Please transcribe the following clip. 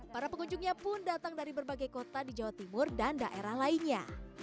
para pengunjungnya pun datang dari berbagai kota di jawa timur dan daerah lainnya